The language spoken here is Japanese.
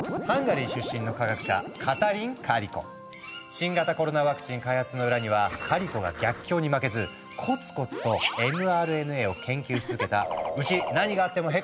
新型コロナワクチン開発の裏にはカリコが逆境に負けずコツコツとｍＲＮＡを研究し続けた「うち何があってもへこたれへん！」